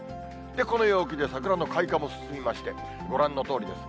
この陽気で桜の開花も進みまして、ご覧のとおりです。